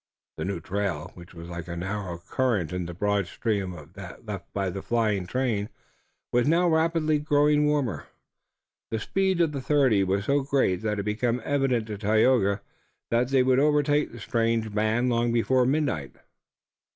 The new trail, which was like a narrow current in the broad stream of that left by the flying train, was now rapidly growing warmer. The speed of the thirty was so great that it became evident to Tayoga that they would overtake the strange band long before midnight.